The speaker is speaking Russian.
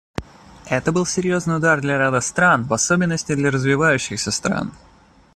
Это был серьезный удар для ряда стран, в особенности для развивающихся стран.